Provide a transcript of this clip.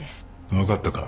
分かったか？